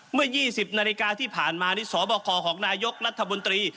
เมื่อ๒๐นาฬิกาที่ผ่านมานี่สบคของนายกรัฐมนตรี